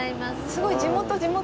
すごい地元地元！